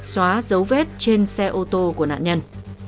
xóa dấu vết trên xe ô tô của nạn nhân